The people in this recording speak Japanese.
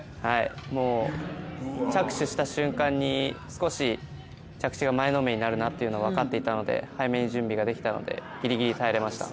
もう着手した瞬間に、着地が前のめりになるなというのが分かっていたので早めに準備ができたのでギリギリ耐えられました。